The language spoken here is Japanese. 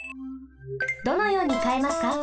どのようにかえますか？